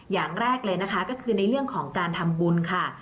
อย่างแรกเลยนะคะก็คือในเรื่องของการทำบุญค่ะ